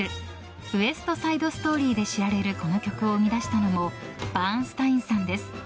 「ウエスト・サイド・ストーリー」で知られるこの曲を生み出したのもバーンスタインさんです。